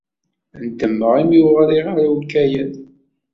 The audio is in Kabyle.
Ndemmeɣ imi ur ɣriɣ ara i ukayad.